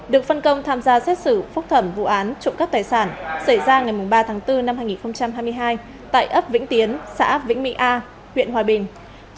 được phân công tham gia xét xử phúc thẩm vụ án trụng cắp tài sản xảy ra ngày ba tháng bốn năm hai nghìn hai mươi hai tại ấp vĩnh tiến xã vĩnh mỹ a huyện hòa bình